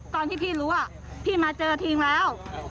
ตอนที่พี่รู้พี่มาเจอทิ้งแล้ว